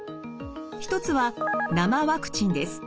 一つは生ワクチンです。